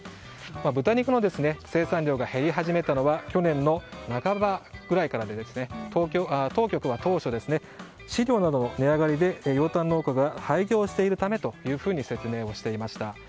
豚肉の生産量が減り始めたのは去年の半ばぐらいからで当局は当初飼料などの値上がりで養豚農家が廃業しているためというふうに説明していました。